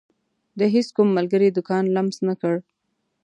د هيڅ کوم ملګري دکان لمس نه کړ.